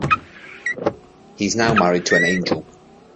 He is now married to Angel.